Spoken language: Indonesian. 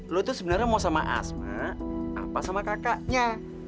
lo itu sebenarnya mau sama asma apa sama kakaknya